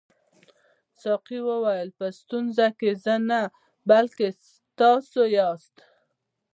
ساقي وویل په ستونزه کې زه نه بلکې تاسي یاست.